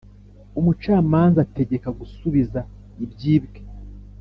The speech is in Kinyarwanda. umucamanza ategeka gusubiza ibyibwe.